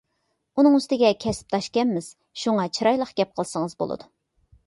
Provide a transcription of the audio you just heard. ئۇنىڭ ئۈستىگە كەسىپداشكەنمىز. شۇڭا چىرايلىق گەپ قىلسىڭىز بولىدۇ.